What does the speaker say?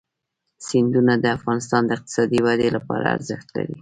سیندونه د افغانستان د اقتصادي ودې لپاره ارزښت لري.